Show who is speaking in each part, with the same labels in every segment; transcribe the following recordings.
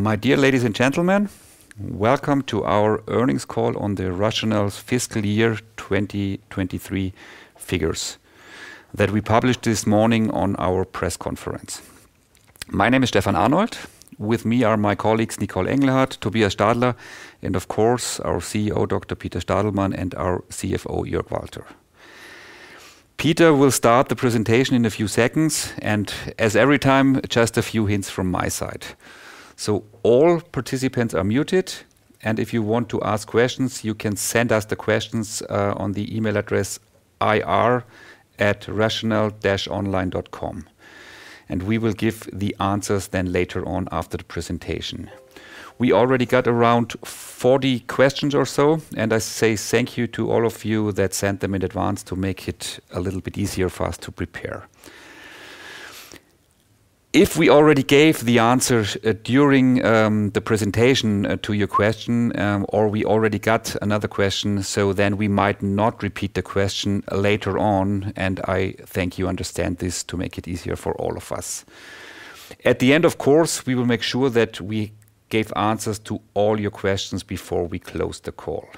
Speaker 1: My dear ladies and gentlemen, welcome to our earnings call on the RATIONAL's fiscal year 2023 figures that we published this morning on our press conference. My name is Stefan Arnold. With me are my colleagues, Nicole Engelhardt, Tobias Stadler, and of course, our CEO, Dr. Peter Stadelmann, and our CFO, Jörg Walter. Peter will start the presentation in a few seconds, and as every time, just a few hints from my side. So all participants are muted, and if you want to ask questions, you can send us the questions on the email address, ir@rational-online.com, and we will give the answers then later on after the presentation. We already got around 40 questions or so, and I say thank you to all of you that sent them in advance to make it a little bit easier for us to prepare. If we already gave the answer during the presentation to your question or we already got another question, so then we might not repeat the question later on, and I think you understand this to make it easier for all of us. At the end, of course, we will make sure that we gave answers to all your questions before we close the call.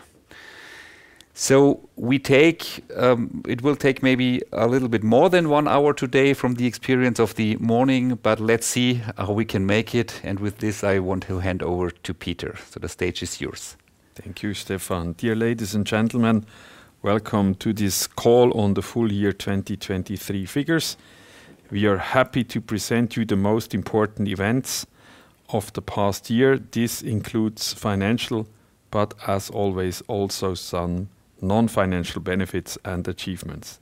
Speaker 1: It will take maybe a little bit more than one hour today from the experience of the morning, but let's see how we can make it. With this, I want to hand over to Peter. So the stage is yours.
Speaker 2: Thank you, Stefan. Dear ladies and gentlemen, welcome to this call on the full year 2023 figures. We are happy to present you the most important events of the past year. This includes financial, but as always, also some non-financial benefits and achievements.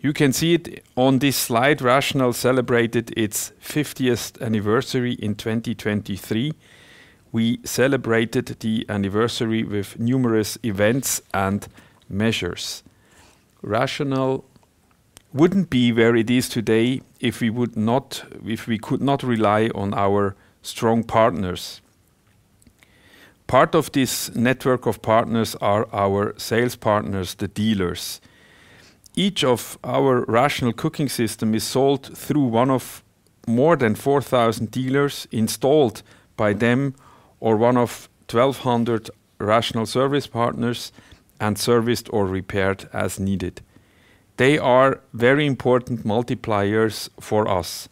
Speaker 2: You can see it on this slide. RATIONAL celebrated its 50th anniversary in 2023. We celebrated the anniversary with numerous events and measures. RATIONAL wouldn't be where it is today if we could not rely on our strong partners. Part of this network of partners are our sales partners, the dealers. Each of our RATIONAL cooking system is sold through one of more than 4,000 dealers, installed by them, or one of 1,200 RATIONAL service partners, and serviced or repaired as needed. They are very important multipliers for us.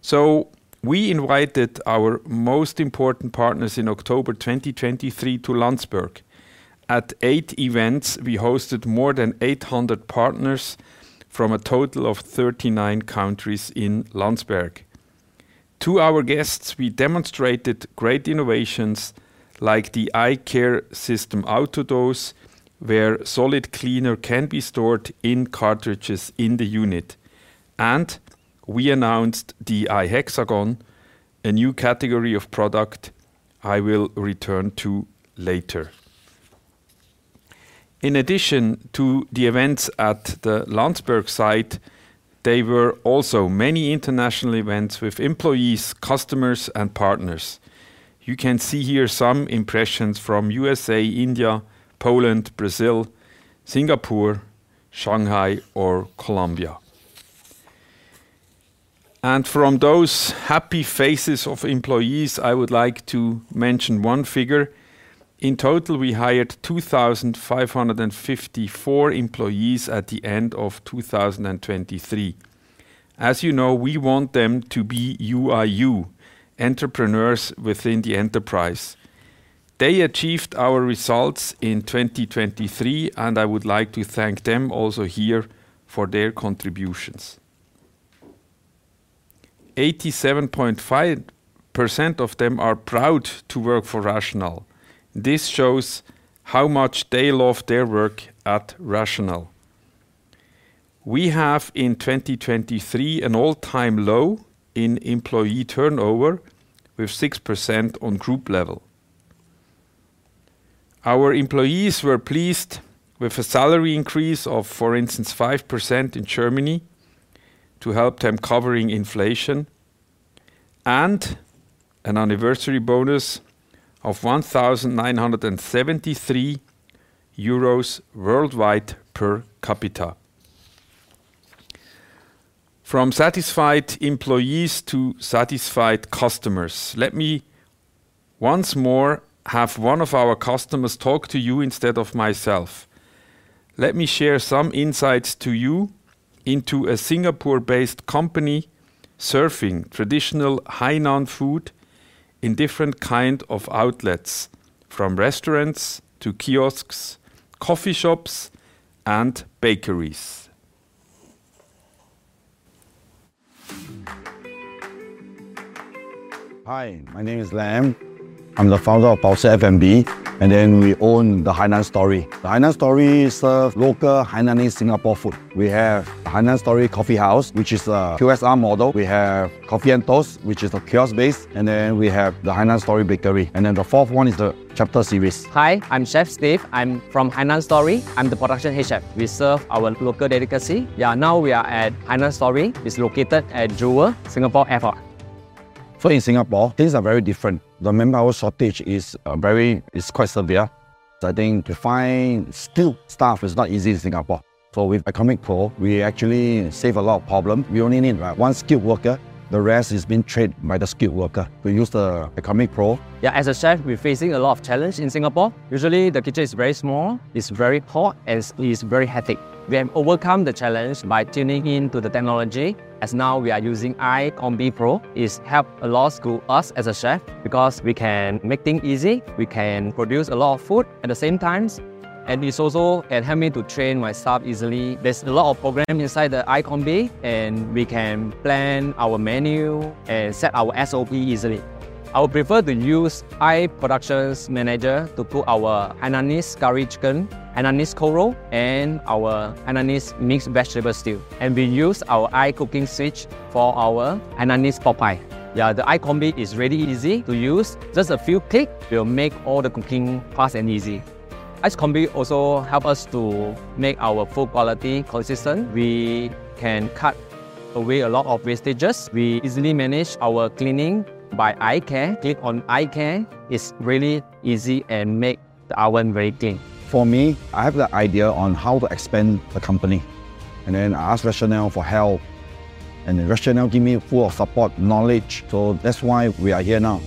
Speaker 2: So we invited our most important partners in October 2023 to Landsberg. At 8 events, we hosted more than 800 partners from a total of 39 countries in Landsberg. To our guests, we demonstrated great innovations like the iCareSystem AutoDose, where solid cleaner can be stored in cartridges in the unit. We announced the iHexagon, a new category of product I will return to later. In addition to the events at the Landsberg site, there were also many international events with employees, customers, and partners. You can see here some impressions from USA, India, Poland, Brazil, Singapore, Shanghai, or Colombia. From those happy faces of employees, I would like to mention one figure. In total, we hired 2,554 employees at the end of 2023. As you know, we want them to be your entrepreneurs within the enterprise. They achieved our results in 2023, and I would like to thank them also here for their contributions. 87.5% of them are proud to work for RATIONAL. This shows how much they love their work at RATIONAL. We have, in 2023, an all-time low in employee turnover, with 6% on group level. Our employees were pleased with a salary increase of, for instance, 5% in Germany to help them covering inflation and an anniversary bonus of 1,973 euros worldwide per capita. From satisfied employees to satisfied customers. Let me once more have one of our customers talk to you instead of myself. Let me share some insights to you into a Singapore-based company, serving traditional Hainan food in different kind of outlets, from restaurants to kiosks, coffee shops, and bakeries.
Speaker 3: Hi, my name is Lem. I'm the founder of Baoshi F&B, and then we own The Hainan Story. The Hainan Story serves local Hainanese Singapore food. We have Hainan Story Coffee House, which is a QSR model. We have Coffee & Toast, which is a kiosk base, and then we have the Hainan Story Bakery, and then the fourth one is the Chapter Series.
Speaker 4: Hi, I'm Chef Steve. I'm from Hainan Story. I'm the production head chef. We serve our local delicacy. Yeah, now we are at Hainan Story. It's located at Jewel Singapore Airport.
Speaker 5: In Singapore, things are very different. The manpower shortage is very. It's quite severe. I think to find skilled staff is not easy in Singapore. With iCombi Pro, we actually save a lot of problem. We only need, like, one skilled worker. The rest is being trained by the skilled worker to use the iCombi Pro.
Speaker 4: Yeah, as a chef, we're facing a lot of challenge in Singapore. Usually, the kitchen is very small, it's very hot, and it's very hectic. We have overcome the challenge by tuning in to the technology, as now we are using iCombi Pro. It's helped a lot to us as a chef because we can make things easy, we can produce a lot of food at the same times, and it's also can help me to train my staff easily. There's a lot of program inside the iCombi, and we can plan our menu and set our SOP easily. I would prefer to use iProductionManager to cook our Hainanese curry chicken, Hainanese corn roll, and our Hainanese mixed vegetable stew. We use our iCookingSuite for our Hainanese pot pie. Yeah, the iCombi is really easy to use. Just a few click will make all the cooking fast and easy.
Speaker 5: iCombi also help us to make our food quality consistent. We can cut away a lot of wastages. We easily manage our cleaning by iCare. Click on iCare, it's really easy and make the oven very clean.
Speaker 6: For me, I have the idea on how to expand the company, and then I ask RATIONAL for help, and RATIONAL give me full of support, knowledge. So that's why we are here now.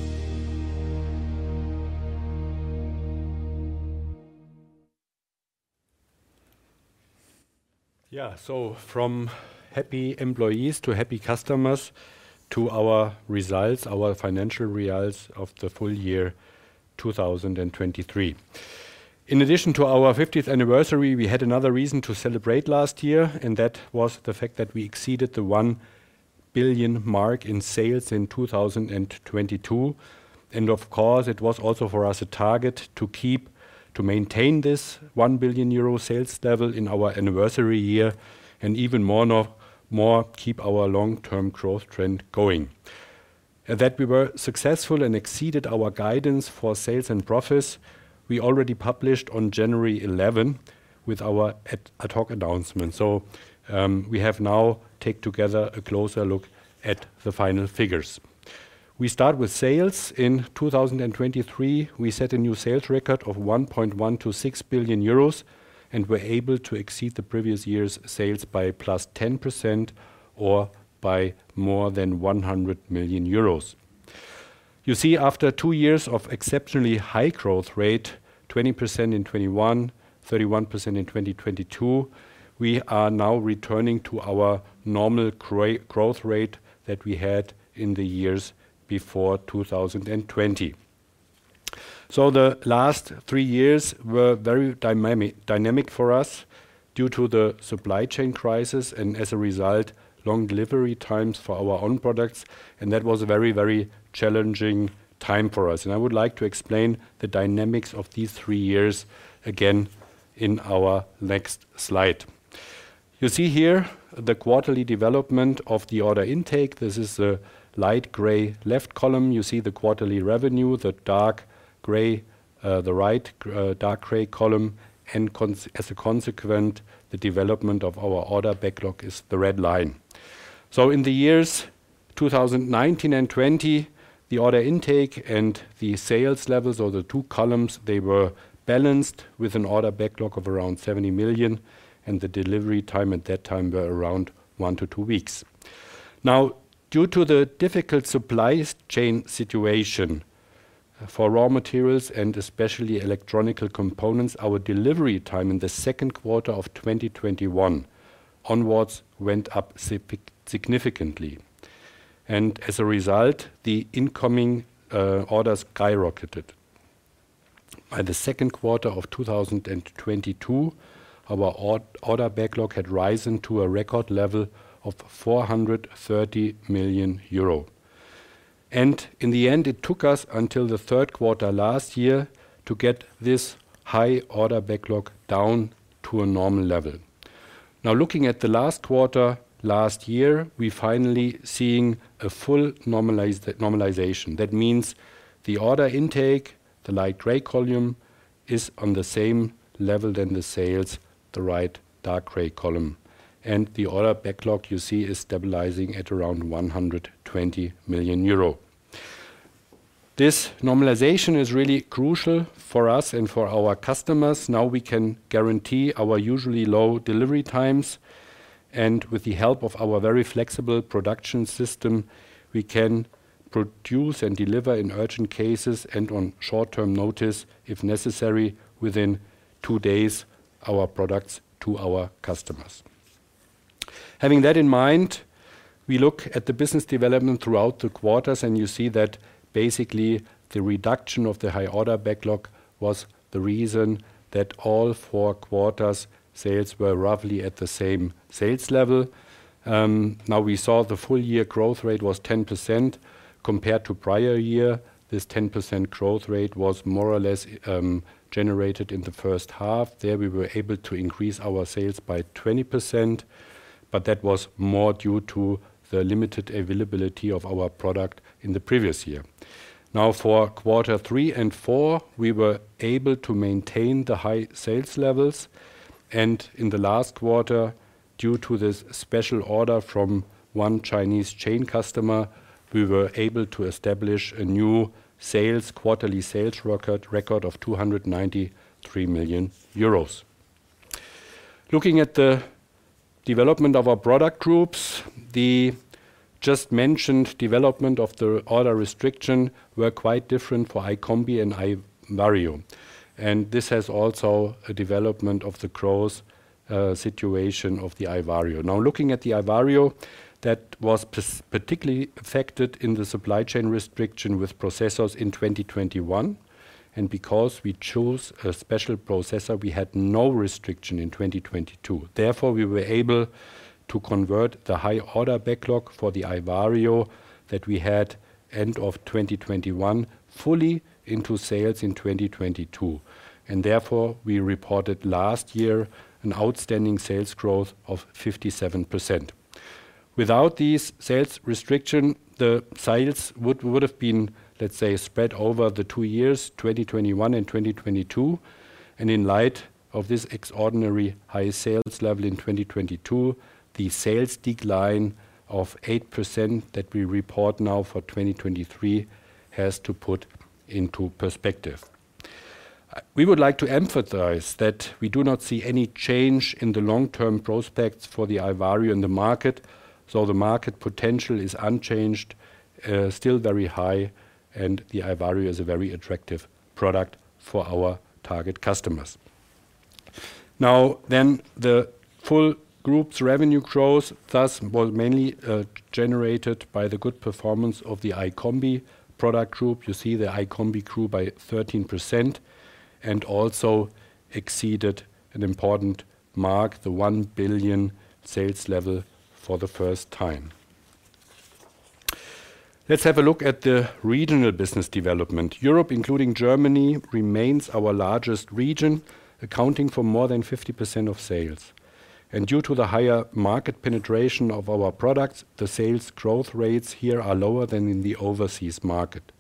Speaker 7: Yeah. So from happy employees to happy customers, to our results, our financial results of the full year 2023. In addition to our 50th anniversary, we had another reason to celebrate last year, and that was the fact that we exceeded the 1 billion mark in sales in 2022. And of course, it was also for us a target to keep, to maintain this 1 billion euro sales level in our anniversary year, and even more, no, more keep our long-term growth trend going. And that we were successful and exceeded our guidance for sales and profits, we already published on January 11 with our ad hoc announcement. So, we have now take together a closer look at the final figures. We start with sales. In 2023, we set a new sales record of 1.126 billion euros and were able to exceed the previous year's sales by +10% or by more than 100 million euros. You see, after two years of exceptionally high growth rate, 20% in 2021, 31% in 2022, we are now returning to our normal growth rate that we had in the years before 2020. So the last three years were very dynamic, dynamic for us due to the supply chain crisis and, as a result, long delivery times for our own products, and that was a very, very challenging time for us. I would like to explain the dynamics of these three years again in our next slide. You see here the quarterly development of the order intake. This is the light gray left column. You see the quarterly revenue, the dark gray, the right, dark gray column, and consequently, the development of our order backlog is the red line. So in the years 2019 and 2020, the order intake and the sales levels, or the two columns, they were balanced with an order backlog of around 70 million, and the delivery time at that time were around one to two weeks. Now, due to the difficult supply chain situation for raw materials, and especially electronic components, our delivery time in the second quarter of 2021 onwards went up significantly, and as a result, the incoming orders skyrocketed. By the second quarter of 2022, our order backlog had risen to a record level of 430 million euro. In the end, it took us until the third quarter last year to get this high order backlog down to a normal level. Now, looking at the last quarter, last year, we're finally seeing a full normalization. That means the order intake, the light gray column, is on the same level than the sales, the right dark gray column, and the order backlog you see is stabilizing at around 120 million euro. This normalization is really crucial for us and for our customers. Now, we can guarantee our usually low delivery times, and with the help of our very flexible production system, we can produce and deliver in urgent cases and on short-term notice, if necessary, within two days, our products to our customers. Having that in mind, we look at the business development throughout the quarters, and you see that basically, the reduction of the high order backlog was the reason that all four quarters' sales were roughly at the same sales level. Now, we saw the full year growth rate was 10% compared to prior year. This 10% growth rate was more or less generated in the first half. There, we were able to increase our sales by 20%, but that was more due to the limited availability of our product in the previous year. Now, for quarter three and four, we were able to maintain the high sales levels, and in the last quarter. Due to this special order from one Chinese chain customer, we were able to establish a new quarterly sales record of 293 million euros. Looking at the development of our product groups, the just mentioned development of the order restriction were quite different for iCombi and iVario. This has also a development of the growth situation of the iVario. Now, looking at the iVario, that was particularly affected in the supply chain restriction with processors in 2021, and because we chose a special processor, we had no restriction in 2022. Therefore, we were able to convert the high order backlog for the iVario that we had end of 2021, fully into sales in 2022. And therefore, we reported last year an outstanding sales growth of 57%. Without these sales restriction, the sales would have been, let's say, spread over the two years, 2021 and 2022. In light of this extraordinary high sales level in 2022, the sales decline of 8% that we report now for 2023 has to put into perspective. We would like to emphasize that we do not see any change in the long-term prospects for the iVario in the market. So the market potential is unchanged, still very high, and the iVario is a very attractive product for our target customers. Now, then, the full group's revenue growth, thus, was mainly generated by the good performance of the iCombi product group. You see, the iCombi grew by 13% and also exceeded an important mark, the 1 billion sales level for the first time. Let's have a look at the regional business development. Europe, including Germany, remains our largest region, accounting for more than 50% of sales. Due to the higher market penetration of our products, the sales growth rates here are lower than in the overseas market.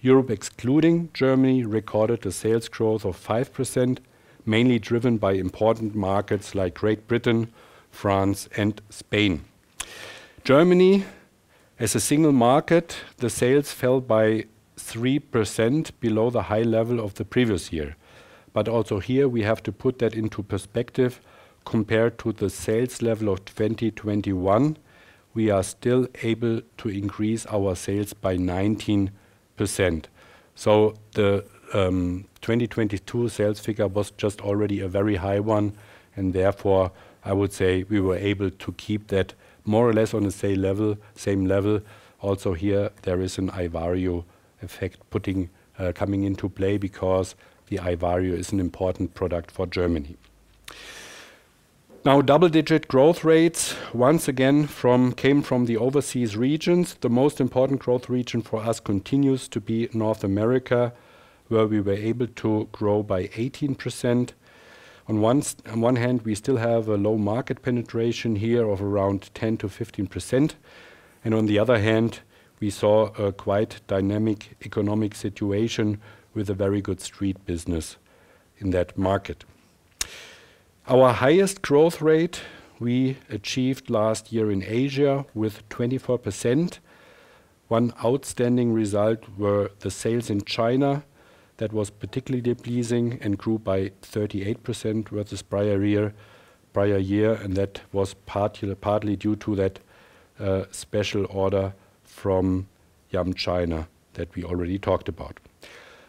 Speaker 7: Europe, excluding Germany, recorded a sales growth of 5%, mainly driven by important markets like Great Britain, France, and Spain. Germany, as a single market, the sales fell by 3% below the high level of the previous year. Also here, we have to put that into perspective. Compared to the sales level of 2021, we are still able to increase our sales by 19%. The 2022 sales figure was just already a very high one, and therefore, I would say we were able to keep that more or less on the same level, same level. Also here, there is an iVario effect coming into play because the iVario is an important product for Germany. Now, double-digit growth rates, once again, came from the overseas regions. The most important growth region for us continues to be North America, where we were able to grow by 18%. On one hand, we still have a low market penetration here of around 10%-15%, and on the other hand, we saw a quite dynamic economic situation with a very good street business in that market. Our highest growth rate we achieved last year in Asia with 24%. One outstanding result were the sales in China. That was particularly pleasing and grew by 38% with the prior year, and that was partly due to that special order from Yum China that we already talked about.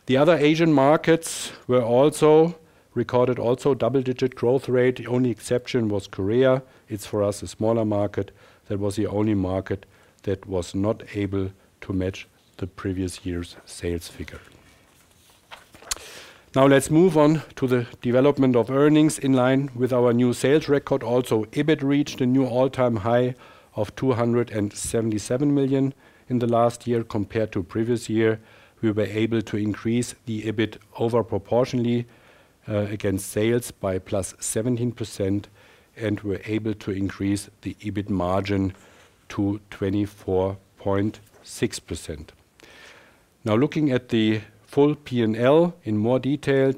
Speaker 7: The other Asian markets also recorded double-digit growth rate. The only exception was Korea. It's, for us, a smaller market. That was the only market that was not able to match the previous year's sales figure. Now, let's move on to the development of earnings in line with our new sales record. Also, EBIT reached a new all-time high of 277 million in the last year. Compared to previous year, we were able to increase the EBIT over proportionally against sales by +17%, and we're able to increase the EBIT margin to 24.6%. Now, looking at the full P&L in more detail,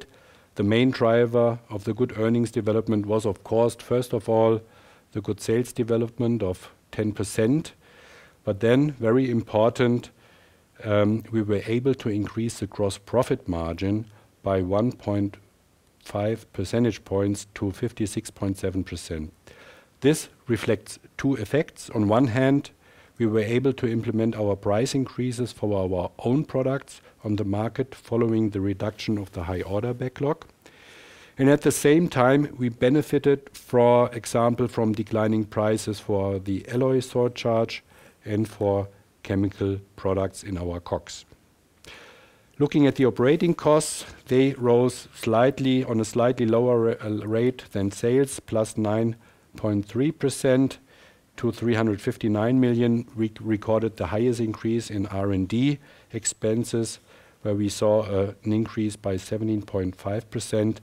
Speaker 7: the main driver of the good earnings development was, of course, first of all, the good sales development of 10%. But then, very important, we were able to increase the gross profit margin by 1.5 percentage points to 56.7%. This reflects two effects: On one hand, we were able to implement our price increases for our own products on the market, following the reduction of the high order backlog. And at the same time, we benefited, for example, from declining prices for the alloy surcharge and for chemical products in our costs. Looking at the operating costs, they rose slightly on a slightly lower rate than sales, plus 9.3% to 359 million. We recorded the highest increase in R&D expenses, where we saw an increase by 17.5%.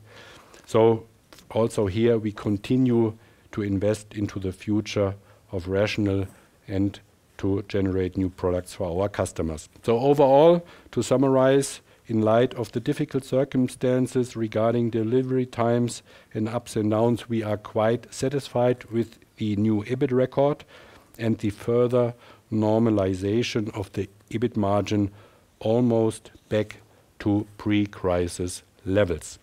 Speaker 7: So also here, we continue to invest into the future of RATIONAL and to generate new products for our customers. So overall, to summarize, in light of the difficult circumstances regarding delivery times and ups and downs, we are quite satisfied with the new EBIT record and the further normalization of the EBIT margin almost back to pre-crisis levels.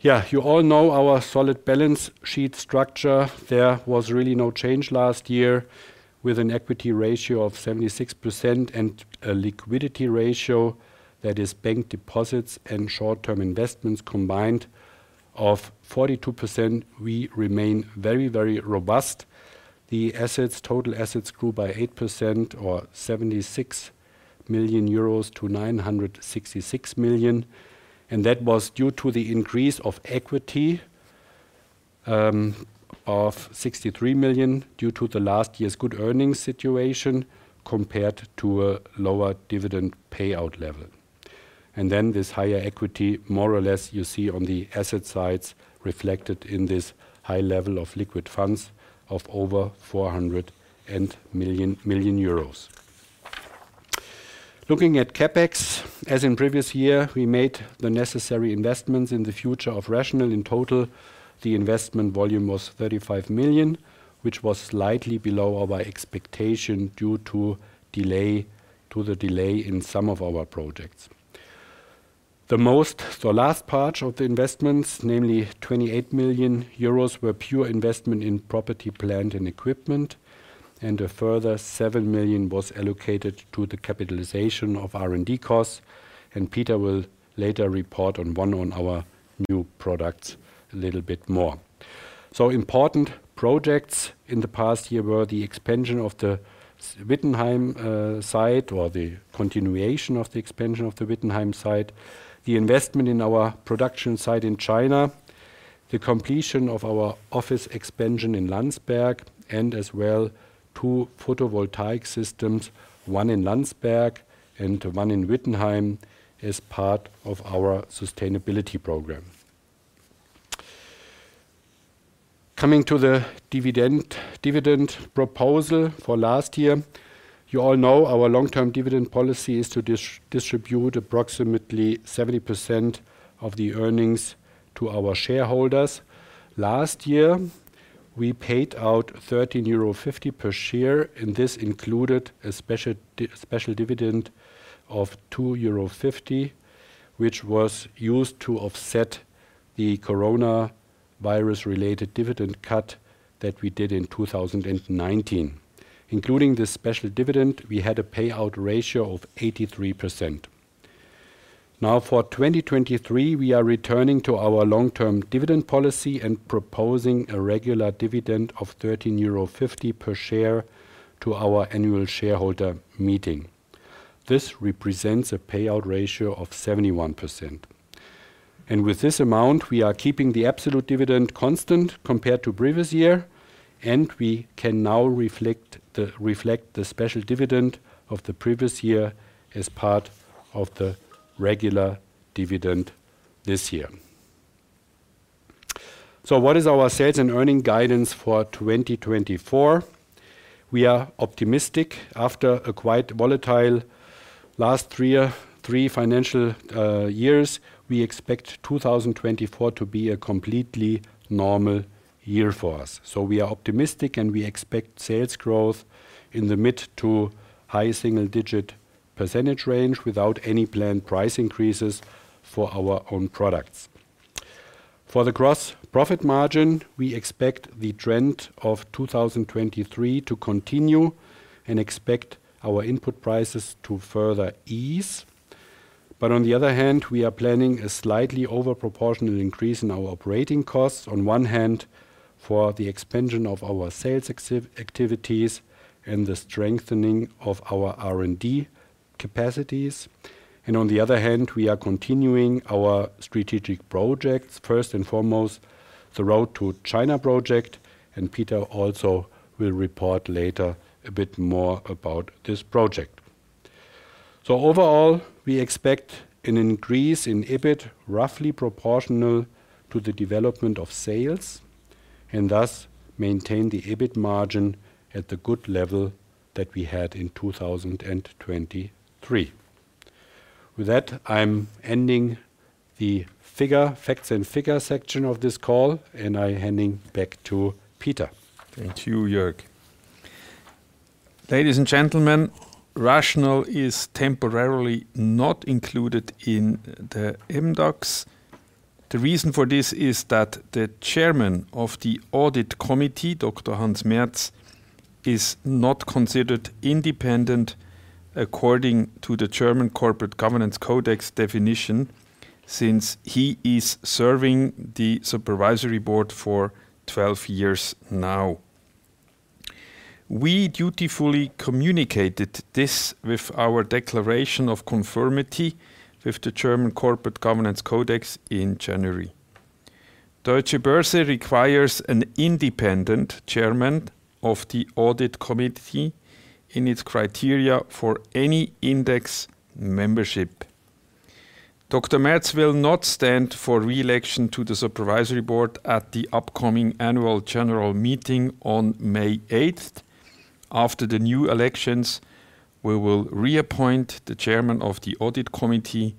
Speaker 7: Yeah, you all know our solid balance sheet structure. There was really no change last year, with an equity ratio of 76% and a liquidity ratio that is bank deposits and short-term investments combined of 42%, we remain very, very robust. The assets, total assets, grew by 8% or 76 million euros to 966 million, and that was due to the increase of equity, of 63 million, due to the last year's good earnings situation, compared to a lower dividend payout level. And then this higher equity, more or less, you see on the asset sides, reflected in this high level of liquid funds of over 400 million. Looking at CapEx, as in previous year, we made the necessary investments in the future of RATIONAL. In total, the investment volume was 35 million, which was slightly below our expectation due to the delay in some of our projects. So the last part of the investments, namely 28 million euros, were pure investment in property, plant, and equipment, and a further 7 million was allocated to the capitalization of R&D costs. And Peter will later report on our new products a little bit more. So important projects in the past year were the expansion of the Wittenheim site, or the continuation of the expansion of the Wittenheim site, the investment in our production site in China, the completion of our office expansion in Landsberg, and as well, two photovoltaic systems, one in Landsberg and one in Wittenheim, as part of our sustainability program. Coming to the dividend, dividend proposal for last year. You all know our long-term dividend policy is to distribute approximately 70% of the earnings to our shareholders. Last year, we paid out 13.50 euro per share, and this included a special dividend of 2.50 euro, which was used to offset the coronavirus-related dividend cut that we did in 2019. Including this special dividend, we had a payout ratio of 83%. Now, for 2023, we are returning to our long-term dividend policy and proposing a regular dividend of 13.50 euro per share to our annual shareholder meeting. This represents a payout ratio of 71%. With this amount, we are keeping the absolute dividend constant compared to previous year, and we can now reflect the, reflect the special dividend of the previous year as part of the regular dividend this year. So what is our sales and earning guidance for 2024? We are optimistic. After a quite volatile last three, three financial years, we expect 2024 to be a completely normal year for us. So we are optimistic, and we expect sales growth in the mid- to high single-digit % range without any planned price increases for our own products. For the gross profit margin, we expect the trend of 2023 to continue and expect our input prices to further ease. But on the other hand, we are planning a slightly overproportional increase in our operating costs, on one hand, for the expansion of our sales exhibition activities and the strengthening of our R&D capacities, and on the other hand, we are continuing our strategic projects, first and foremost, the Road to China project, and Peter also will report later a bit more about this project. So overall, we expect an increase in EBIT, roughly proportional to the development of sales, and thus maintain the EBIT margin at the good level that we had in 2023. With that, I'm ending the figures, facts and figures section of this call, and I'm handing back to Peter.
Speaker 2: Thank you, Jörg. Ladies and gentlemen, RATIONAL is temporarily not included in the MDAX. The reason for this is that the chairman of the audit committee, Dr. Hans Maerz, is not considered independent, according to the German Corporate Governance Code definition, since he is serving the supervisory board for 12 years now. We dutifully communicated this with our declaration of conformity with the German Corporate Governance Code in January. Deutsche Börse requires an independent chairman of the audit committee in its criteria for any index membership. Dr. Maerz will not stand for reelection to the supervisory board at the upcoming annual general meeting on May eighth. After the new elections, we will reappoint the chairman of the audit committee,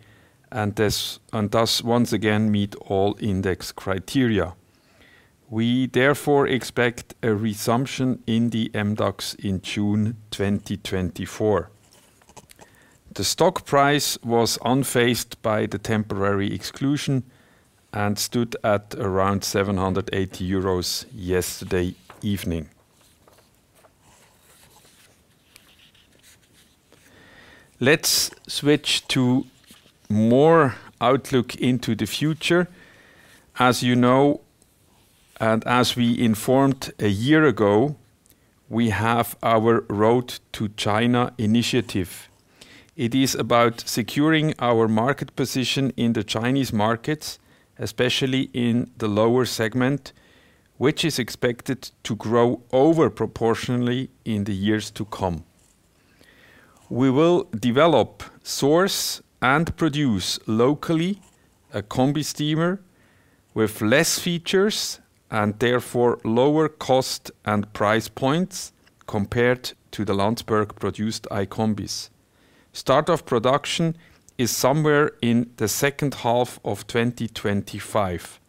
Speaker 2: and this and thus once again meet all index criteria. We therefore expect a resumption in the MDAX in June 2024. The stock price was unfazed by the temporary exclusion and stood at around 780 euros yesterday evening. Let's switch to more outlook into the future. As you know, and as we informed a year ago, we have our Road to China initiative. It is about securing our market position in the Chinese markets, especially in the lower segment, which is expected to grow over proportionally in the years to come. We will develop, source, and produce locally a combi steamer with less features and therefore lower cost and price points compared to the Landsberg-produced iCombi. Start of production is somewhere in the second half of 2025.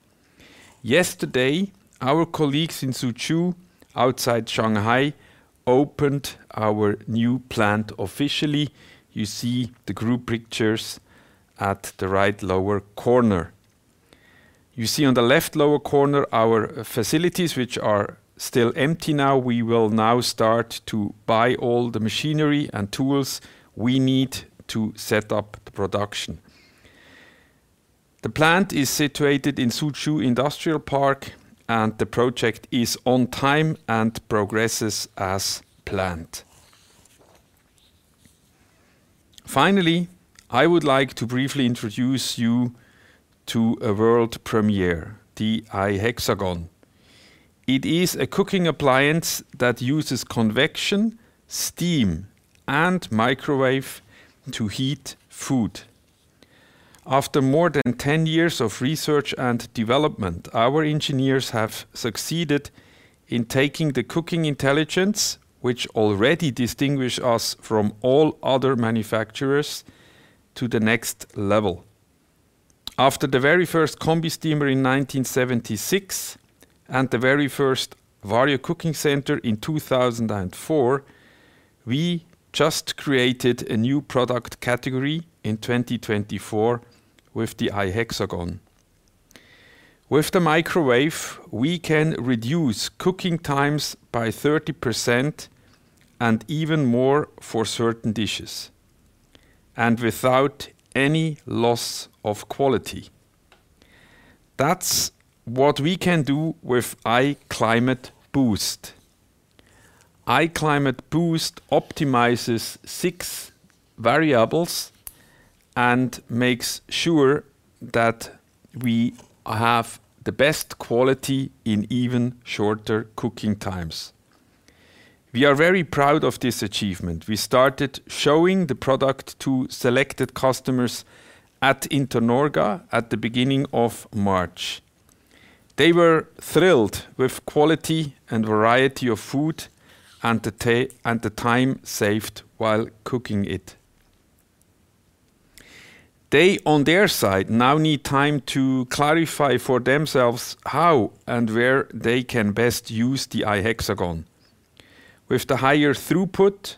Speaker 2: Yesterday, our colleagues in Suzhou, outside Shanghai, opened our new plant officially. You see the group pictures at the right lower corner. You see on the left lower corner, our facilities, which are still empty now. We will now start to buy all the machinery and tools we need to set up the production. The plant is situated in Suzhou Industrial Park, and the project is on time and progresses as planned. Finally, I would like to briefly introduce you to a world premiere, the iHexagon. It is a cooking appliance that uses convection, steam, and microwave to heat food. After more than 10 years of research and development, our engineers have succeeded in taking the cooking intelligence, which already distinguish us from all other manufacturers, to the next level. After the very first combi steamer in 1976 and the very first VarioCooking Center in 2004, we just created a new product category in 2024 with the iHexagon. With the microwave, we can reduce cooking times by 30% and even more for certain dishes, and without any loss of quality. That's what we can do with iClimateBoost. iClimateBoost optimizes six variables and makes sure that we have the best quality in even shorter cooking times. We are very proud of this achievement. We started showing the product to selected customers at Internorga at the beginning of March. They were thrilled with quality and variety of food and the time saved while cooking it. They, on their side, now need time to clarify for themselves how and where they can best use the iHexagon. With the higher throughput,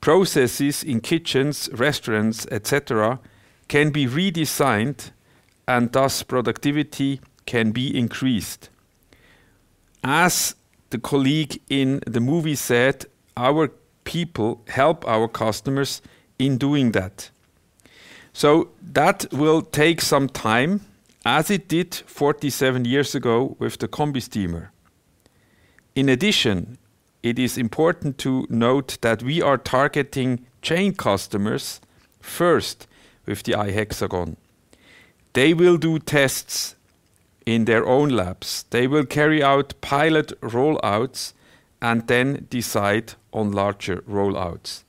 Speaker 2: processes in kitchens, restaurants, et cetera, can be redesigned and thus productivity can be increased. As the colleague in the movie said, our people help our customers in doing that. So that will take some time, as it did 47 years ago with the combi steamer. In addition, it is important to note that we are targeting chain customers first with the iHexagon. They will do tests in their own labs. They will carry out pilot rollouts and then decide on larger rollouts.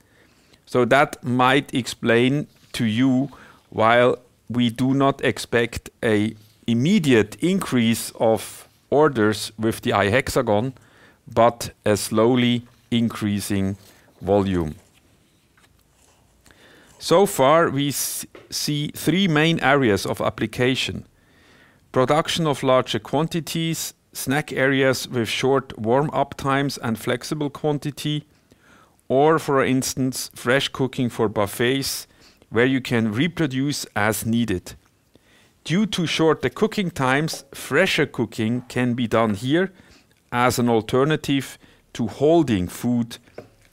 Speaker 2: So that might explain to you why we do not expect an immediate increase of orders with the iHexagon, but a slowly increasing volume. So far, we see three main areas of application: production of larger quantities, snack areas with short warm-up times and flexible quantity, or for instance, fresh cooking for buffets, where you can reproduce as needed. Due to shorter cooking times, fresher cooking can be done here as an alternative to holding food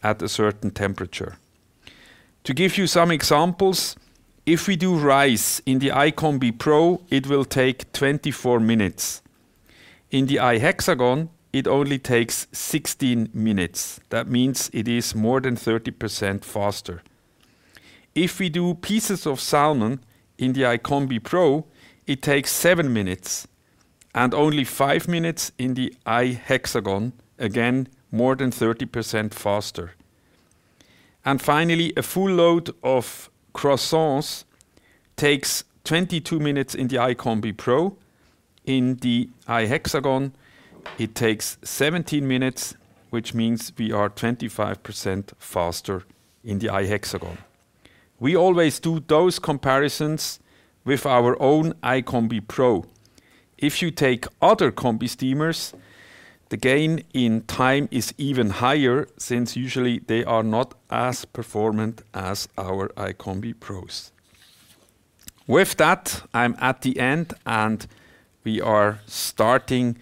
Speaker 2: at a certain temperature. To give you some examples, if we do rice in the iCombi Pro, it will take 24 minutes. In the iHexagon, it only takes 16 minutes. That means it is more than 30% faster. If we do pieces of salmon in the iCombi Pro, it takes 7 minutes and only 5 minutes in the iHexagon. Again, more than 30% faster. Finally, a full load of croissants takes 22 minutes in the iCombi Pro. In the iHexagon, it takes 17 minutes, which means we are 25% faster in the iHexagon. We always do those comparisons with our own iCombi Pro. If you take other combi steamers, the gain in time is even higher, since usually they are not as performant as our iCombi Pros. With that, I'm at the end, and we are starting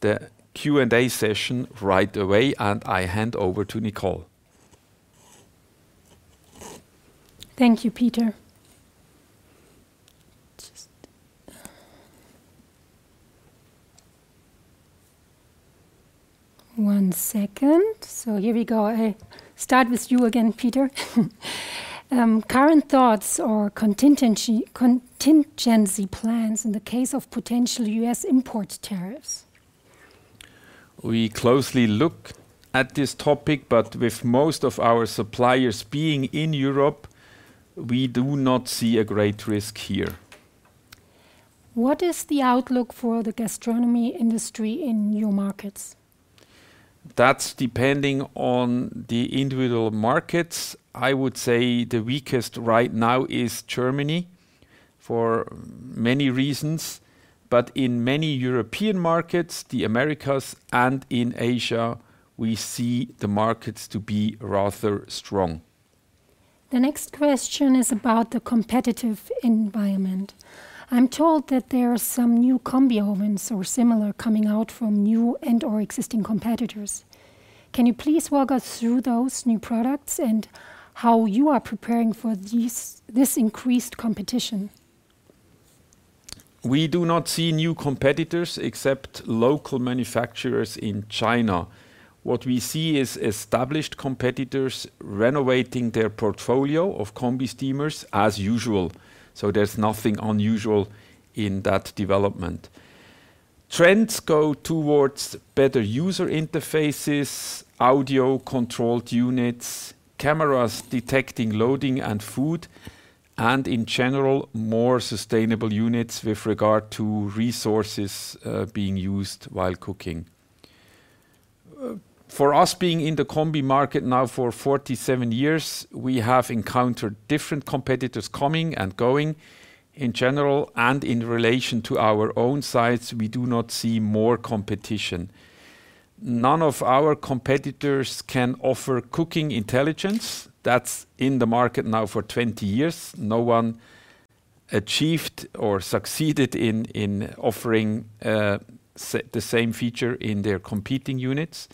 Speaker 2: the Q&A session right away, and I hand over to Nicole.
Speaker 8: Thank you, Peter. Just... one second. So here we go. I start with you again, Peter. Current thoughts or contingency plans in the case of potential US import tariffs?
Speaker 2: We closely look at this topic, but with most of our suppliers being in Europe, we do not see a great risk here.
Speaker 8: What is the outlook for the gastronomy industry in new markets?
Speaker 2: That's depending on the individual markets. I would say the weakest right now is Germany, for many reasons, but in many European markets, the Americas and in Asia, we see the markets to be rather strong.
Speaker 8: The next question is about the competitive environment. I'm told that there are some new combi ovens or similar coming out from new and/or existing competitors. Can you please walk us through those new products and how you are preparing for these, this increased competition?
Speaker 2: We do not see new competitors except local manufacturers in China. What we see is established competitors renovating their portfolio of combi steamers as usual, so there's nothing unusual in that development. Trends go towards better user interfaces, audio-controlled units, cameras detecting loading and food, and in general, more sustainable units with regard to resources, being used while cooking. For us, being in the combi market now for 47 years, we have encountered different competitors coming and going. In general and in relation to our own sites, we do not see more competition. None of our competitors can offer cooking intelligence. That's in the market now for 20 years. No one achieved or succeeded in offering the same feature in their competing units,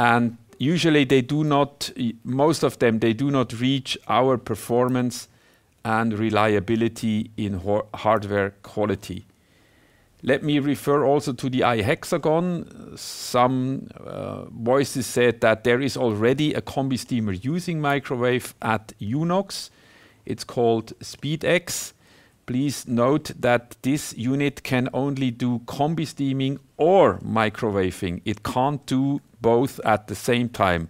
Speaker 2: and usually most of them, they do not reach our performance and reliability in hardware quality. Let me refer also to the iHexagon. Some voices said that there is already a combi steamer using microwave at UNOX. It's called SPEED-X. Please note that this unit can only do combi steaming or microwaving. It can't do both at the same time,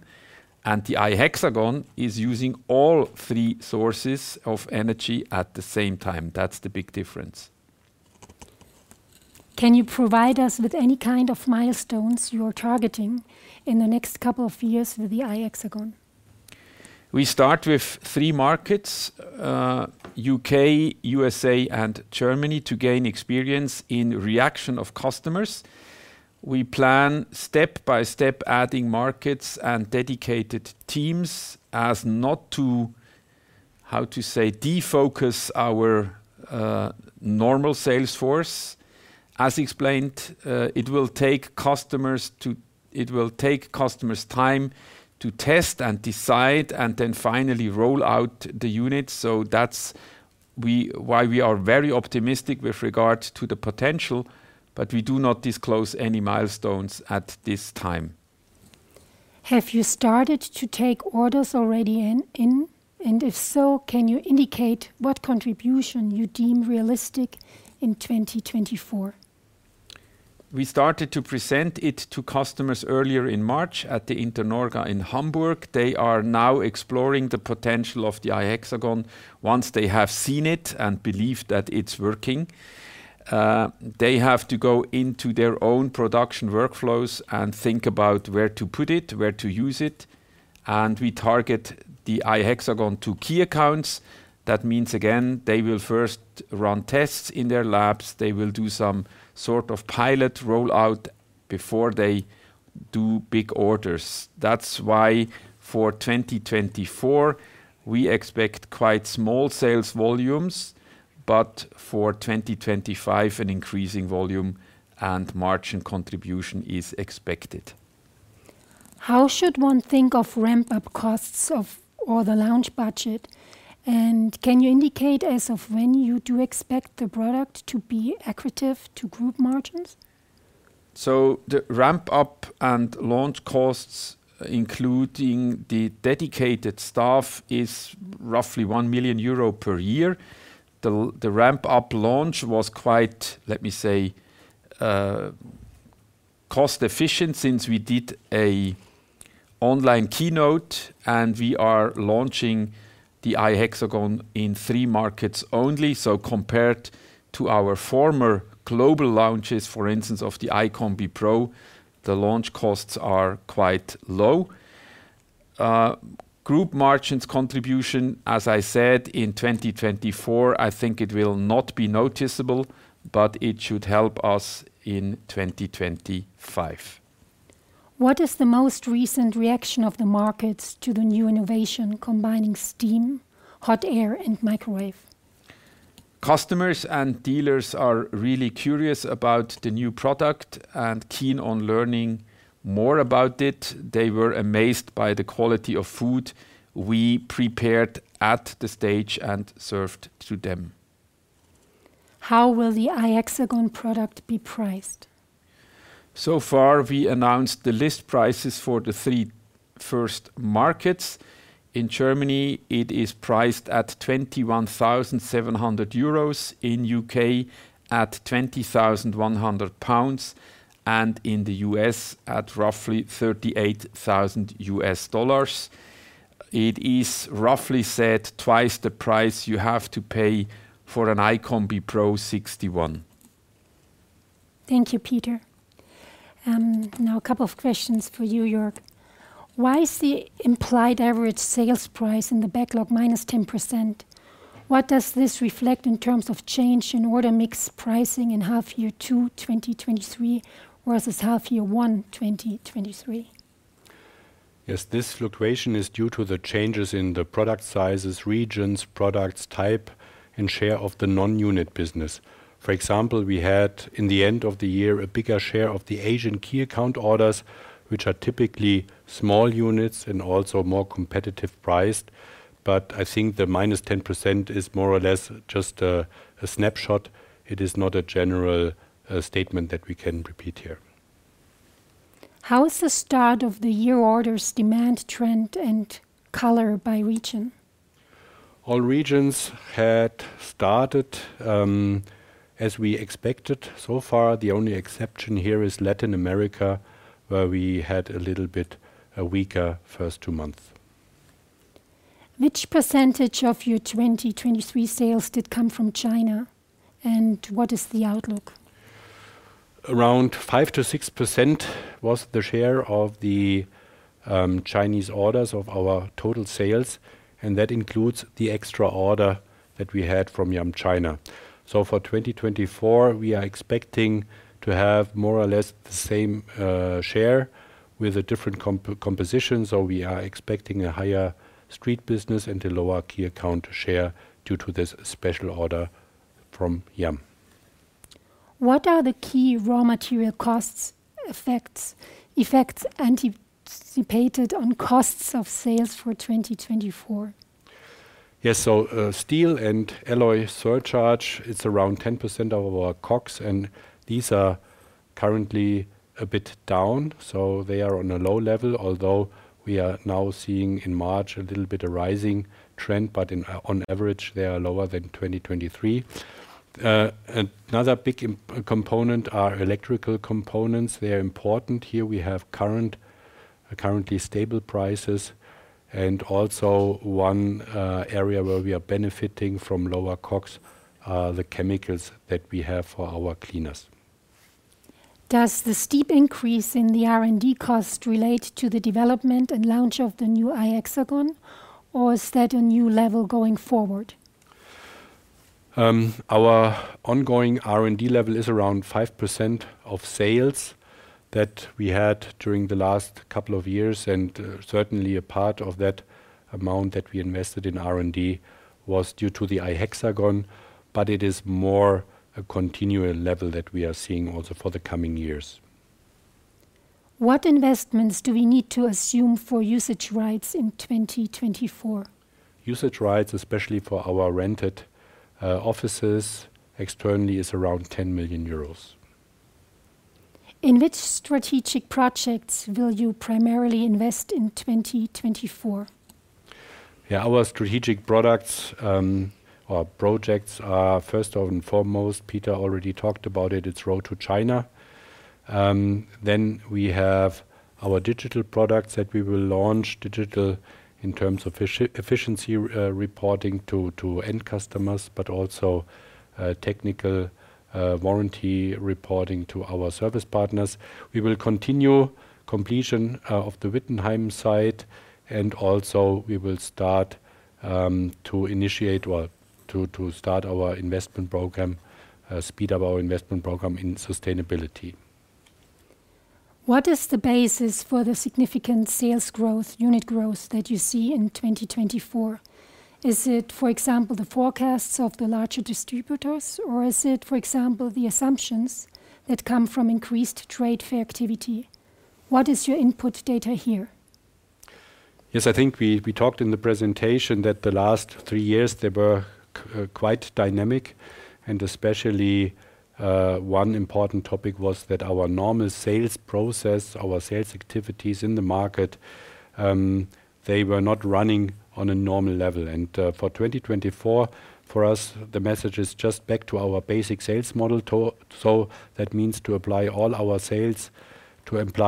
Speaker 2: and the iHexagon is using all three sources of energy at the same time. That's the big difference.
Speaker 8: Can you provide us with any kind of milestones you are targeting in the next couple of years with the iHexagon?
Speaker 2: We start with three markets, U.K., USA, and Germany, to gain experience in reaction of customers. We plan step by step, adding markets and dedicated teams as not to, how to say, defocus our normal sales force. As explained, it will take customers time to test and decide and then finally roll out the units. So that's why we are very optimistic with regard to the potential, but we do not disclose any milestones at this time.
Speaker 8: Have you started to take orders already? And if so, can you indicate what contribution you deem realistic in 2024?
Speaker 2: We started to present it to customers earlier in March at the Internorga in Hamburg. They are now exploring the potential of the iHexagon. Once they have seen it and believe that it's working, they have to go into their own production workflows and think about where to put it, where to use it, and we target the iHexagon to key accounts. That means, again, they will first run tests in their labs. They will do some sort of pilot rollout before they do big orders. That's why for 2024, we expect quite small sales volumes, but for 2025, an increasing volume and margin contribution is expected.
Speaker 8: How should one think of ramp-up costs of or the launch budget? And can you indicate as of when you do expect the product to be accretive to group margins?
Speaker 2: So the ramp-up and launch costs, including the dedicated staff, is roughly 1 million euro per year. The ramp-up launch was quite, let me say, cost efficient since we did an online keynote, and we are launching the iHexagon in three markets only. So compared to our former global launches, for instance, of the iCombi Pro, the launch costs are quite low. Group margins contribution, as I said, in 2024, I think it will not be noticeable, but it should help us in 2025.
Speaker 8: What is the most recent reaction of the markets to the new innovation combining steam, hot air, and microwave?
Speaker 2: Customers and dealers are really curious about the new product and keen on learning more about it. They were amazed by the quality of food we prepared at the stage and served to them.
Speaker 8: How will the iHexagon product be priced?
Speaker 2: So far, we announced the list prices for the three first markets. In Germany, it is priced at 21,700 euros, in UK at 20,100 pounds, and in the US at roughly $38,000. It is roughly said twice the price you have to pay for an iCombi Pro 61.
Speaker 8: Thank you, Peter. Now a couple of questions for you, Jörg. Why is the implied average sales price in the backlog minus 10%? What does this reflect in terms of change in order mix pricing in half year 2 2023 versus half year 1 2023?
Speaker 7: Yes, this fluctuation is due to the changes in the product sizes, regions, products type, and share of the non-unit business. For example, we had, in the end of the year, a bigger share of the Asian key account orders, which are typically small units and also more competitive priced. But I think the minus 10% is more or less just a snapshot. It is not a general statement that we can repeat here.
Speaker 8: How is the start of the year orders demand, trend, and color by region?
Speaker 7: All regions had started, as we expected. So far, the only exception here is Latin America, where we had a little bit a weaker first two months.
Speaker 8: Which percentage of your 2023 sales did come from China, and what is the outlook?
Speaker 7: Around 5%-6% was the share of the Chinese orders of our total sales, and that includes the extra order that we had from Yum China. So for 2024, we are expecting to have more or less the same share with a different composition. So we are expecting a higher street business and a lower key account share due to this special order from Yum.
Speaker 8: What are the key raw material costs effects anticipated on costs of sales for 2024?
Speaker 7: Yes. So, steel and alloy surcharge, it's around 10% of our COGS, and these are currently a bit down, so they are on a low level, although we are now seeing in March a little bit a rising trend, but on average, they are lower than 2023. Another big component are electrical components. They are important. Here we have currently stable prices, and also one area where we are benefiting from lower COGS, the chemicals that we have for our cleaners.
Speaker 8: Does the steep increase in the R&D cost relate to the development and launch of the new iHexagon, or is that a new level going forward?
Speaker 7: Our ongoing R&D level is around 5% of sales that we had during the last couple of years, and certainly a part of that amount that we invested in R&D was due to the iHexagon, but it is more a continual level that we are seeing also for the coming years.
Speaker 8: What investments do we need to assume for usage rights in 2024?
Speaker 7: Usage rights, especially for our rented offices externally, is around 10 million euros.
Speaker 8: In which strategic projects will you primarily invest in 2024?
Speaker 7: Yeah. Our strategic products, or projects are first and foremost, Peter already talked about it, it's Road to China. Then we have our digital products that we will launch, digital in terms of efficiency, reporting to, to end customers, but also, technical, warranty reporting to our service partners. We will continue completion, of the Wittenheim site, and also we will start, to initiate or to, to start our investment program, speed up our investment program in sustainability.
Speaker 8: What is the basis for the significant sales growth, unit growth, that you see in 2024? Is it, for example, the forecasts of the larger distributors, or is it, for example, the assumptions that come from increased trade fair activity? What is your input data here?
Speaker 7: Yes, I think we, we talked in the presentation that the last three years there were quite dynamic, and especially, one important topic was that our normal sales process, our sales activities in the market, they were not running on a normal level. And, for 2024, for us, the message is just back to our basic sales model so that means to apply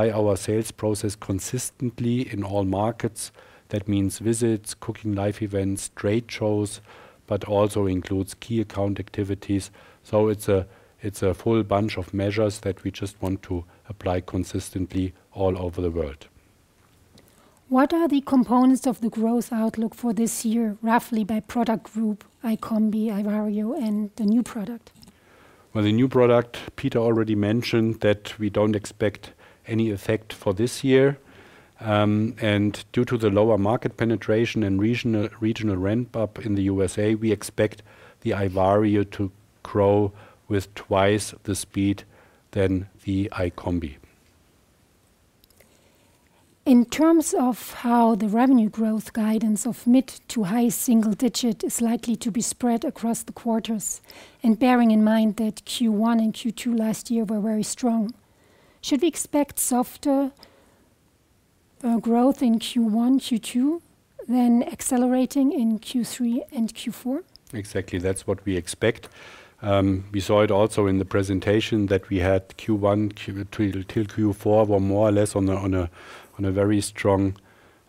Speaker 7: our sales process consistently in all markets. That means visits, cooking live events, trade shows, but also includes key account activities. So it's a, it's a full bunch of measures that we just want to apply consistently all over the world.
Speaker 8: What are the components of the growth outlook for this year, roughly by product group, iCombi, iVario, and the new product?
Speaker 7: Well, the new product, Peter already mentioned that we don't expect any effect for this year. Due to the lower market penetration and regional ramp-up in the USA, we expect the iVario to grow with twice the speed than the iCombi.
Speaker 8: In terms of how the revenue growth guidance of mid- to high-single-digit is likely to be spread across the quarters, and bearing in mind that Q1 and Q2 last year were very strong, should we expect softer growth in Q1, Q2, then accelerating in Q3 and Q4?
Speaker 7: Exactly, that's what we expect. We saw it also in the presentation that we had Q1 till Q4, were more or less on a very strong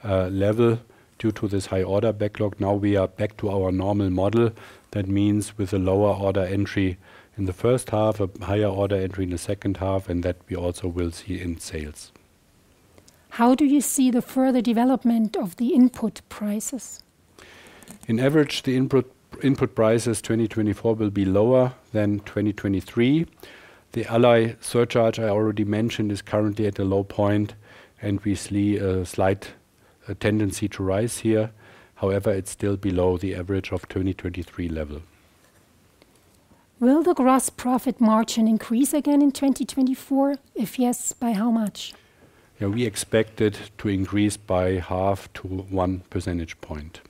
Speaker 7: level due to this high order backlog. Now we are back to our normal model. That means with a lower order entry in the first half, a higher order entry in the second half, and that we also will see in sales.
Speaker 8: How do you see the further development of the input prices?
Speaker 7: On average, the input prices 2024 will be lower than 2023. The alloy surcharge, I already mentioned, is currently at a low point, and we see a slight tendency to rise here. However, it's still below the average of 2023 level.
Speaker 8: Will the gross profit margin increase again in 2024? If yes, by how much?
Speaker 7: Yeah, we expect it to increase by 0.5-1 percentage point.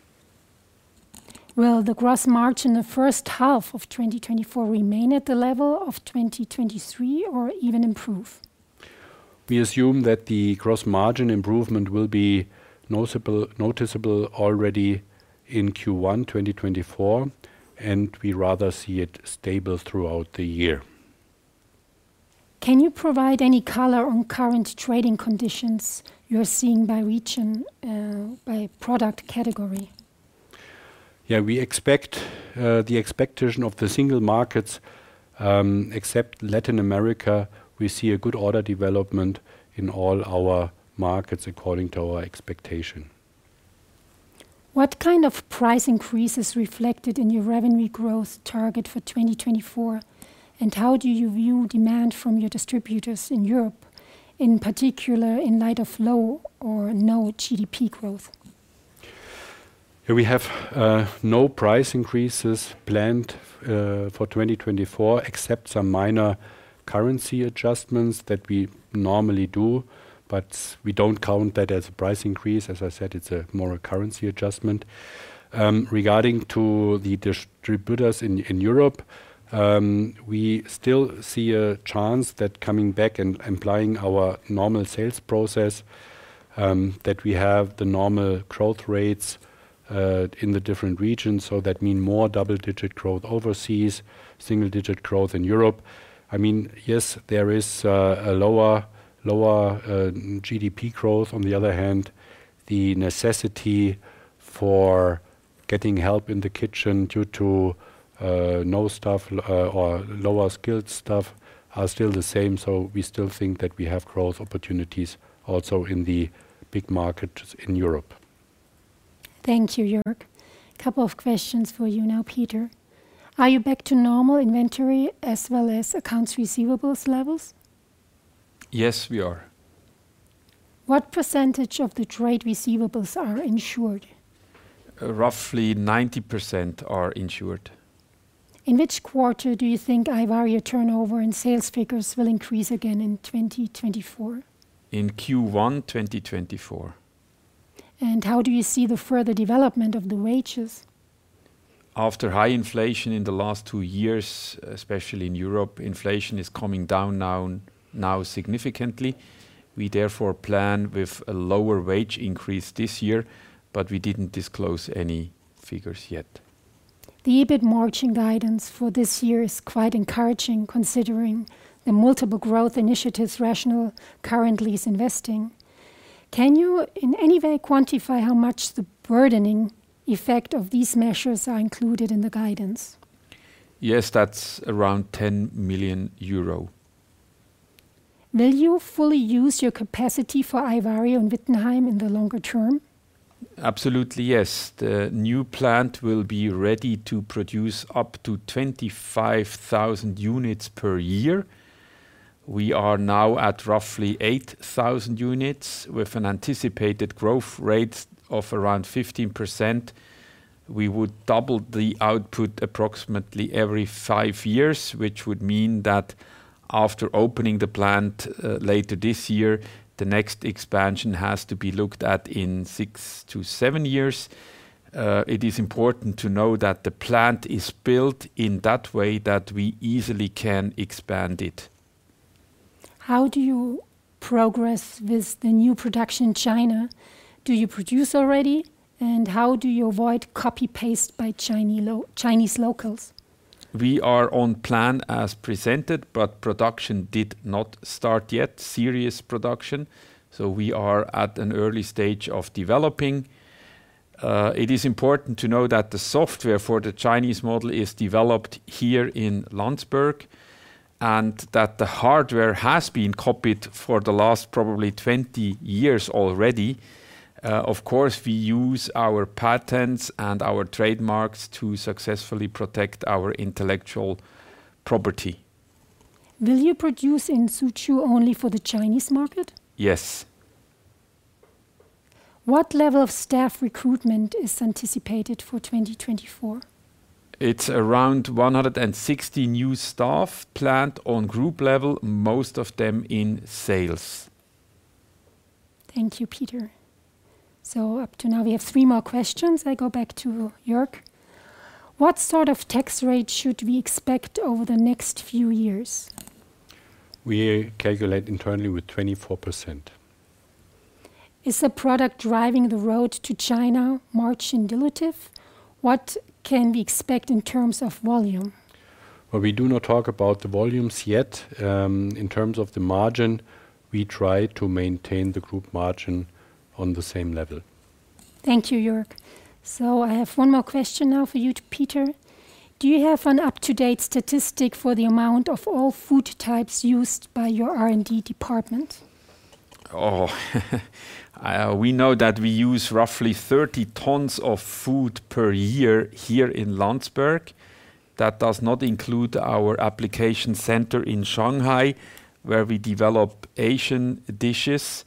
Speaker 8: Will the gross margin in the first half of 2024 remain at the level of 2023 or even improve?
Speaker 7: We assume that the gross margin improvement will be noticeable, noticeable already in Q1, 2024, and we rather see it stable throughout the year.
Speaker 8: Can you provide any color on current trading conditions you're seeing by region, by product category?
Speaker 7: Yeah, we expect the expectation of the single markets, except Latin America, we see a good order development in all our markets according to our expectation.
Speaker 8: What kind of price increase is reflected in your revenue growth target for 2024, and how do you view demand from your distributors in Europe, in particular, in light of low or no GDP growth?
Speaker 7: We have no price increases planned for 2024, except some minor currency adjustments that we normally do, but we don't count that as a price increase. As I said, it's more a currency adjustment. Regarding the distributors in Europe, we still see a chance that coming back and applying our normal sales process, that we have the normal growth rates in the different regions, so that mean more double-digit growth overseas, single-digit growth in Europe. I mean, yes, there is a lower GDP growth. On the other hand, the necessity for getting help in the kitchen due to no staff or lower skilled staff are still the same, so we still think that we have growth opportunities also in the big markets in Europe.
Speaker 8: Thank you, Jörg. Couple of questions for you now, Peter. Are you back to normal inventory as well as accounts receivables levels?
Speaker 2: Yes, we are.
Speaker 8: What percentage of the trade receivables are insured?
Speaker 2: Roughly 90% are insured.
Speaker 8: In which quarter do you think iVario turnover and sales figures will increase again in 2024?
Speaker 2: In Q1 2024.
Speaker 8: How do you see the further development of the wages?
Speaker 2: After high inflation in the last two years, especially in Europe, inflation is coming down now, now significantly. We therefore plan with a lower wage increase this year, but we didn't disclose any figures yet.
Speaker 8: The EBIT margin guidance for this year is quite encouraging, considering the multiple growth initiatives RATIONAL currently is investing. Can you, in any way, quantify how much the burdening effect of these measures are included in the guidance?
Speaker 2: Yes, that's around 10 million euro.
Speaker 8: Will you fully use your capacity for iVario in Wittenheim in the longer term?
Speaker 2: Absolutely, yes. The new plant will be ready to produce up to 25,000 units per year. We are now at roughly 8,000 units, with an anticipated growth rate of around 15%. We would double the output approximately every 5 years, which would mean that after opening the plant, later this year, the next expansion has to be looked at in 6-7 years. It is important to know that the plant is built in that way, that we easily can expand it....
Speaker 8: How do you progress with the new production in China? Do you produce already? How do you avoid copy-paste by Chinese locals?
Speaker 2: We are on plan as presented, but production did not start yet, serious production. So we are at an early stage of developing. It is important to know that the software for the Chinese model is developed here in Landsberg, and that the hardware has been copied for the last probably 20 years already. Of course, we use our patents and our trademarks to successfully protect our intellectual property.
Speaker 8: Will you produce in Suzhou only for the Chinese market?
Speaker 2: Yes.
Speaker 8: What level of staff recruitment is anticipated for 2024?
Speaker 2: It's around 160 new staff planned on group level, most of them in sales.
Speaker 8: Thank you, Peter. Up to now, we have three more questions. I go back to Jörg. What sort of tax rate should we expect over the next few years?
Speaker 7: We calculate internally with 24%.
Speaker 8: Is the product driving the road to China margin dilutive? What can we expect in terms of volume?
Speaker 7: Well, we do not talk about the volumes yet. In terms of the margin, we try to maintain the group margin on the same level.
Speaker 8: Thank you, Jörg. So I have one more question now for you, Peter. Do you have an up-to-date statistic for the amount of all food types used by your R&D department?
Speaker 2: We know that we use roughly 30 tons of food per year here in Landsberg. That does not include our application center in Shanghai, where we develop Asian dishes.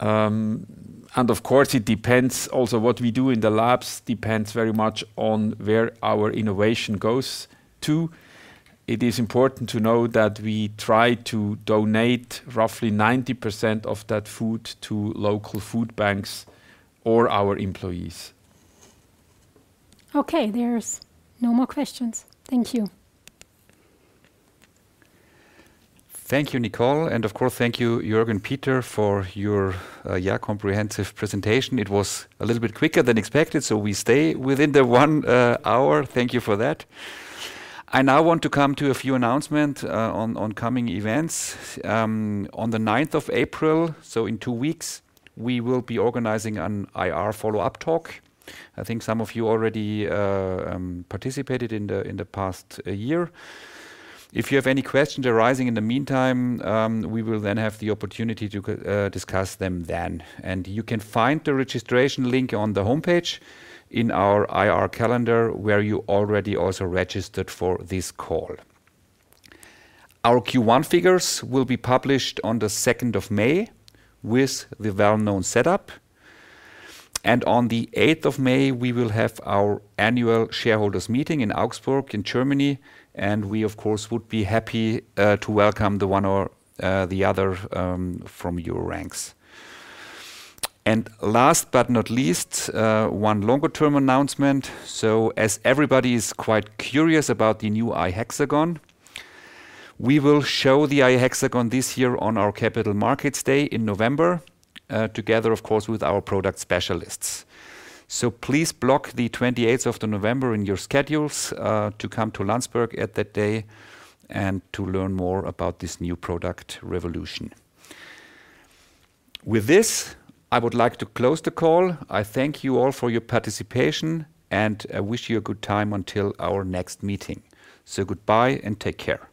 Speaker 2: And of course, it depends also what we do in the labs, depends very much on where our innovation goes to. It is important to know that we try to donate roughly 90% of that food to local food banks or our employees.
Speaker 8: Okay, there's no more questions. Thank you.
Speaker 1: Thank you, Nicole, and of course, thank you, Jörg and Peter, for your yeah, comprehensive presentation. It was a little bit quicker than expected, so we stay within the one hour. Thank you for that. I now want to come to a few announcement on coming events. On the ninth of April, so in two weeks, we will be organizing an IR follow-up talk. I think some of you already participated in the past year. If you have any questions arising in the meantime, we will then have the opportunity to discuss them then. You can find the registration link on the homepage in our IR calendar, where you already also registered for this call. Our Q1 figures will be published on the second of May with the well-known setup, and on the eighth of May, we will have our annual shareholders meeting in Augsburg, in Germany, and we, of course, would be happy to welcome the one or the other from your ranks. Last but not least, one longer term announcement. As everybody is quite curious about the new iHexagon, we will show the iHexagon this year on our Capital Markets Day in November, together, of course, with our product specialists. Please block the twenty-eighth of the November in your schedules to come to Landsberg at that day and to learn more about this new product revolution. With this, I would like to close the call. I thank you all for your participation, and I wish you a good time until our next meeting. Goodbye and take care!